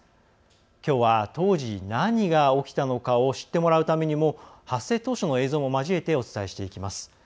きょうは当時、何が起きたのかを知ってもらうためにも発生当初の映像も交えてお伝えしていきます。